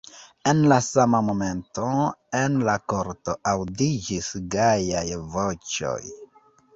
En la sama momento en la korto aŭdiĝis gajaj voĉoj.